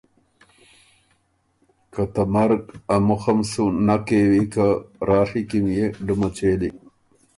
که ته مرګ ا مُخم سُو نک کېوی که راڒی کی ميې ډُمه څېلی۔